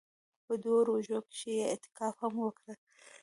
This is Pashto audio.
په دوو روژو کښې يې اعتکاف هم وکړ.